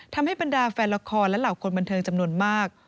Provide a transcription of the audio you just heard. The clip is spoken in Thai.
ทำให้บรรดาแฟนละครและเหล่าคนบันเทิงจำนวนมาก